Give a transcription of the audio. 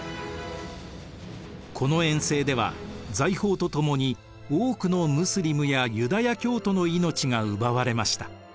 この遠征では財宝とともに多くのムスリムやユダヤ教徒の命が奪われました。